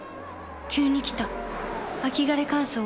急に来た秋枯れ乾燥。